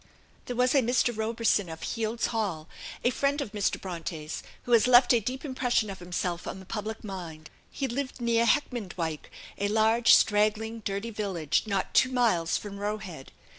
There was a Mr. Roberson of Heald's Hall, a friend of Mr. Bronte's who has left a deep impression of himself on the public mind. He lived near Heckmondwike, a large, straggling, dirty village, not two miles from Roe Head.